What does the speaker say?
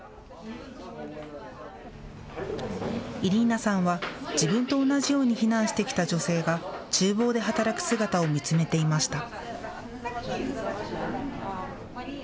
イリーナさんは自分と同じように避難してきた女性が、ちゅう房で働く姿を見つめていました。